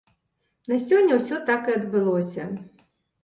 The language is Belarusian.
На сёння ўсё так і адбылося.